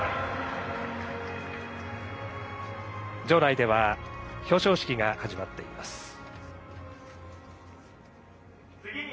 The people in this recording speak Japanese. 場内では表彰式が始まっています。